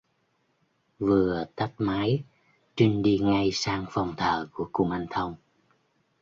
Vừa tắt máy trinh đi ngay sang phòng thờ của kumanthong